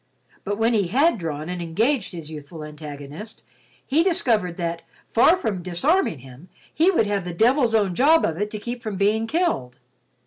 But when he had drawn and engaged his youthful antagonist, he discovered that, far from disarming him, he would have the devil's own job of it to keep from being killed.